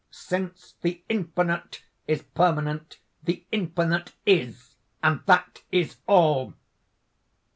Since the Infinite is permanent, the Infinite is; and that is all."